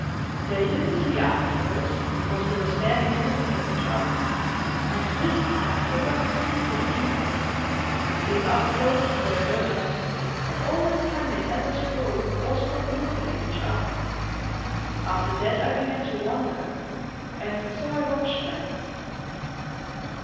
They didn't see us at first, because they were standing looking at each other; and this time they were not speaking either. We came up close before they heard us, and all that time they never spoke, or stopped looking at each other. After that I began to wonder; and so I watched them."